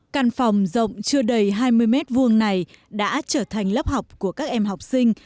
căn phòng rộng chưa đầy hai mươi m hai này đã trở thành lớp học của các em học sinh